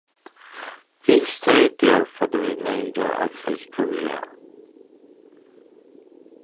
He stayed there for the remainder of his career.